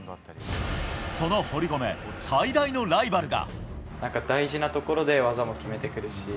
その堀米、最大のライバルが。